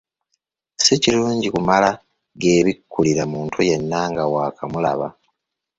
Si kirungi kumala “geebikkulira” muntu yenna nga waakamulaba!